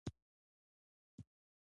دا د وخت د ضایع کیدو مخه نیسي.